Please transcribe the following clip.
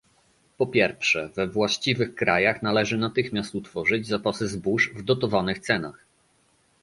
Po pierwsze, we właściwych krajach należy natychmiast utworzyć zapasy zbóż w dotowanych cenach